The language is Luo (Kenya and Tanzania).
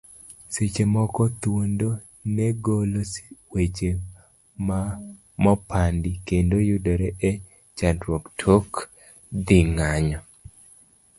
Seche moko, thuondo ne golo weche mopandi, kendo yudore e chandruok tok dhi nyango.